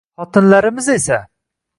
xotinlarimiz esa …”